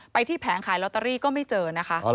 ที่แผงขายลอตเตอรี่ก็ไม่เจอนะคะ